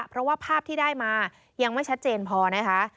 เพราะว่าภาพที่ได้มายังไม่ชัดเจนพอนะคะ